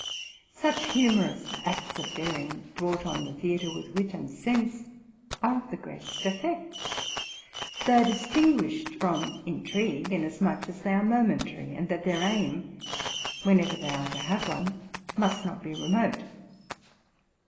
Such humorous acts of daring, brought on the theatre with wit and sense, are of the greatest effect. They are distin guished from intrigue, inasmuch as they are momentary, and that their aim, whenever they are to have one, must not be remote.